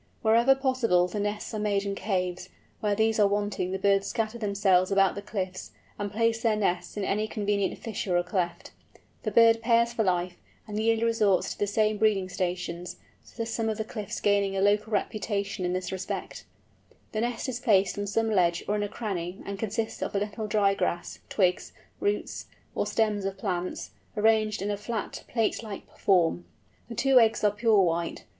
Wherever possible the nests are made in caves; where these are wanting the birds scatter themselves about the cliffs, and place their nests in any convenient fissure or cleft. The bird pairs for life, and yearly resorts to the same breeding stations, some of the caves gaining a local reputation in this respect. The nest is placed on some ledge or in a cranny, and consists of a little dry grass, twigs, roots, or stems of plants, arranged in a flat plate like form. The two eggs are pure white.